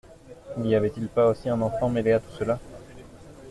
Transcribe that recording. N’y avait-il pas aussi un enfant mêlé à tout cela ?